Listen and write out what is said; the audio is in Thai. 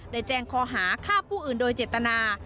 โดยแจ้งคอหาข้าพูดอยู่ด้วยเจตนา